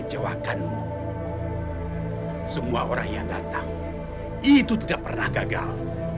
kalau suaranya kayak suara anjing